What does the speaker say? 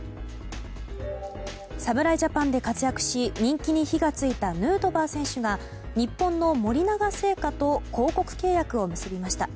侍ジャパンで活躍し人気に火が付いたヌートバー選手が日本の森永製菓と広告契約を結びました。